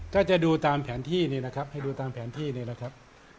ถ้าจะดูตามแผนที่นี่นะครับให้ดูตามแผนที่นี่แหละครับ